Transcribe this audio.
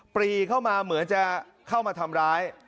ปรีเข้ามาเหมือนจะเข้ามาทำร้าย